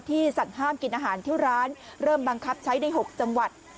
สั่งห้ามกินอาหารที่ร้านเริ่มบังคับใช้ได้๖จังหวัด